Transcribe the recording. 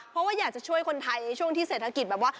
เพราะว่าอยากจะช่วยคนไทยช่วงที่เศรษฐกิจแบบว่า